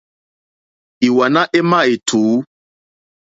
Ìwàná émá ètǔ.